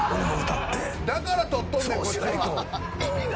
だからとっとんねん、こっちは。